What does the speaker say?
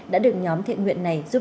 bó luôn rồi chứ đỡ gì